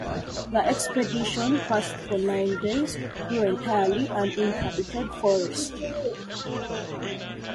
The expedition passed for nine days through entirely uninhabited forest.